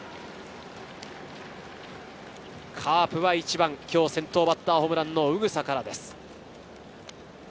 カープは１番、今日先頭バッターホームランの宇草からです。